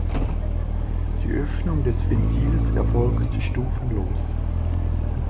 Die Öffnung des Ventils erfolgt stufenlos.